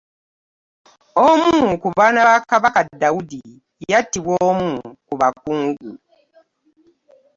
Omu kubaana ba Kabaka Dawuddi yattibwa omu ku Bakungu .